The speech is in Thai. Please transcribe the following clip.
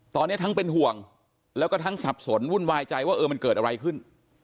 ตอนนี้ทั้งเป็นห่วงแล้วก็ทั้งสับสนวุ่นวายใจว่าเออมันเกิดอะไรขึ้น